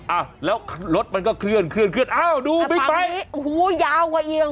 อ่ะแล้วรถมันก็เคลื่อนเคลื่อนเคลื่อนอ้าวดูมีดไปหูยาวกว่าเอียง